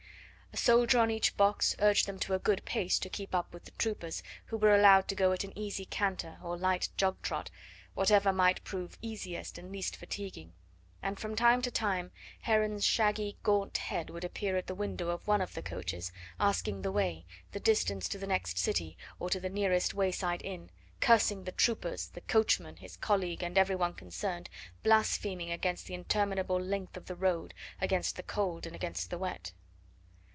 A soldier on each box urged them to a good pace to keep up with the troopers, who were allowed to go at an easy canter or light jog trot, whatever might prove easiest and least fatiguing. And from time to time Heron's shaggy, gaunt head would appear at the window of one of the coaches, asking the way, the distance to the next city or to the nearest wayside inn; cursing the troopers, the coachman, his colleague and every one concerned, blaspheming against the interminable length of the road, against the cold and against the wet.